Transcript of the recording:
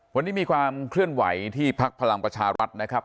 วันนี้มีความเคลื่อนไหวที่พักพลังประชารัฐนะครับ